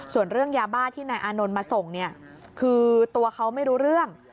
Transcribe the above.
ส่วนเรื่องยาบ้าที่นายอานนท์มาส่งเนี่ยคือตัวเขาไม่รู้เรื่อง